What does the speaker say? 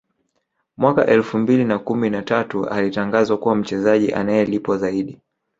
Mwaka elfu mbili na kumi na tatu alitangazwa kuwa mchezaji anayelipwa zaidi